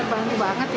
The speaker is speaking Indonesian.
ya terbangku banget ya